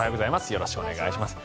よろしくお願いします。